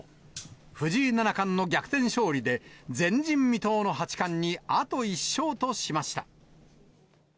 藤井七冠の逆転勝利で、前人未到の八冠にあと１勝としました。